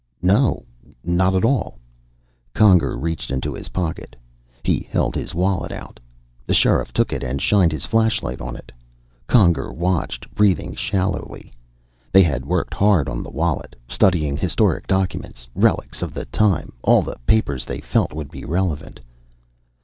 "No. Not at all." Conger reached into his pocket. He held his wallet out. The Sheriff took it and shined his flashlight on it. Conger watched, breathing shallowly. They had worked hard on the wallet, studying historic documents, relics of the times, all the papers they felt would be relevant.